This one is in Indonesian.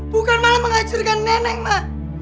bukan malah mengacurkan neneng ma